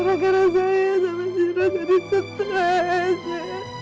gara gara saya sama zira jadi stres